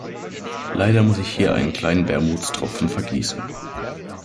Leider muss ich hier einen kleinen Wermutstropfen vergießen.